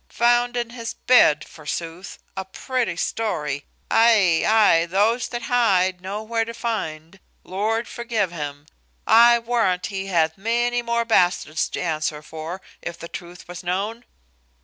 Found in his bed, forsooth! a pretty story! ay, ay, those that hide know where to find. Lord forgive him! I warrant he hath many more bastards to answer for, if the truth was known.